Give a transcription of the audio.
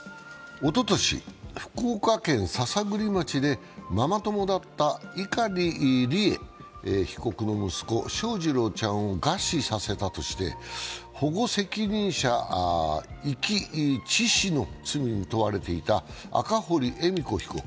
おととし、福岡県篠栗町でママ友だった碇利恵被告の息子、翔士郎ちゃんを餓死させたとして保護責任者遺棄致死の罪などに問われていた赤堀恵美子被告。